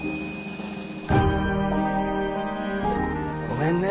ごめんね。